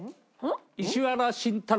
石原慎太郎